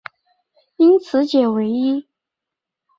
因此解唯一。